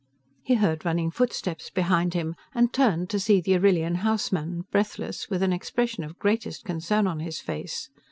He heard running footsteps behind him, and turned to see the Arrillian houseman, breathless, with an expression of greatest concern on his face.